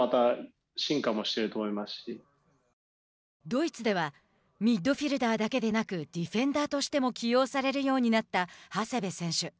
ドイツではミッドフィルダーだけでなくディフェンダーとしても起用されるようになった長谷部選手。